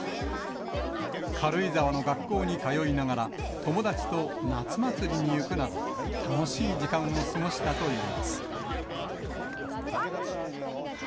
軽井沢の学校に通いながら、友達と夏祭りに行くなど、楽しい時間を過ごしたといいます。